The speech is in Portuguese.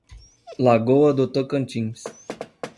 Lagoa do Tocantins